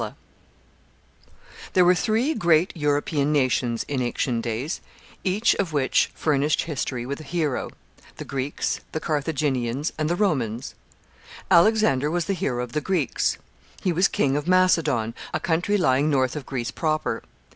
] There were three great European nations in ancient days, each of which furnished history with a hero: the Greeks, the Carthaginians, and the Romans. [Sidenote: Alexander.] Alexander was the hero of the Greeks. He was King of Macedon, a country lying north of Greece proper.